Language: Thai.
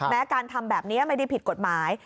การทำแบบนี้ไม่ได้ผิดกฎหมาย